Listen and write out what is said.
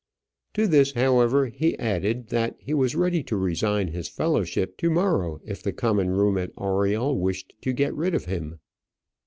To this, however, he added, that he was ready to resign his fellowship to morrow if the Common room at Oriel wished to get rid of him.